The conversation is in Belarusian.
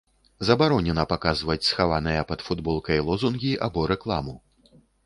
Забаронена паказваць схаваныя пад футболкай лозунгі або рэкламу.